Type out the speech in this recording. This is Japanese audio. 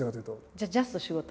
じゃあジャスト仕事。